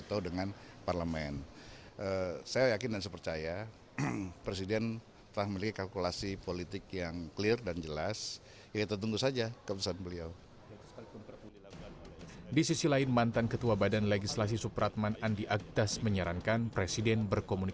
bang supratman selamat malam